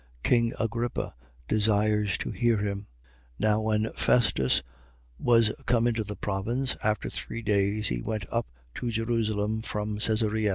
King Agrippa desires to hear him. 25:1. Now when Festus was come into the province, after three days, he went up to Jerusalem from Cesarea.